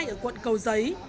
ở quận cầu giấy